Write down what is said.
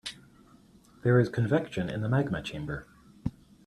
There is convection in the magma chamber.